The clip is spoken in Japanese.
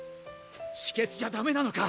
士傑じゃダメなのか！？